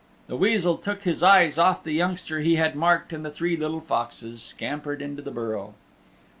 The Weasel took his eyes off the youngster he had marked and the three little foxes scampered into the burrow.